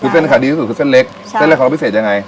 คือเส้นขายดีที่สุดคือเส้นเล็กเส้นเล็กของเราพิเศษยังไง